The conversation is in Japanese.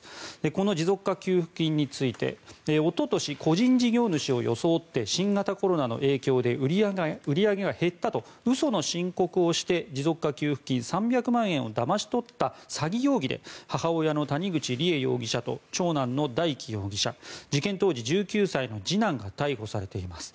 この持続化給付金についておととし、個人事業主を装って新型コロナの影響で売り上げが減ったと嘘の申告をして持続化給付金３００万円をだまし取った詐欺容疑で母親の谷口梨恵容疑者と長男の大祈容疑者事件当時１９歳の次男が逮捕されています。